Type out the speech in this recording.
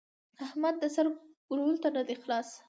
احمد د سر ګرولو ته نه دی خلاص.